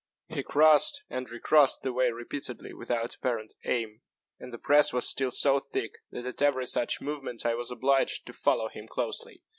He crossed and re crossed the way repeatedly without apparent aim; and the press was still so thick that, at every such movement, I was obliged to follow him closely.